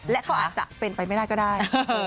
และเขาอาจจะเป็นไปไม่ได้ก็ได้